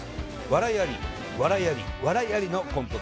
笑いあり、笑いあり、笑いありのコント